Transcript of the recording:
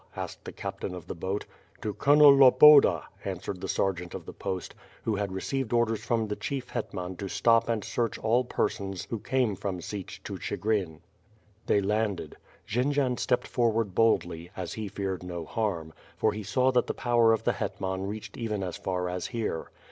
asked the captain of the boat. "To (blonel Lol)oda,'' answered the sergeant of the post, who had received orders from the (.hief Hetman to stop and search all persons who came from Sich to Chigrin. They landed. Jendzian stepped forward boldly, as he feared no harm, for he saw that the power of the hetman reached even as far as here.